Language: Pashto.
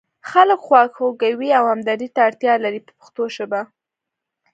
خلک خواخوږۍ او همدردۍ ته اړتیا لري په پښتو ژبه.